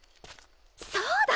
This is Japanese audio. そうだ！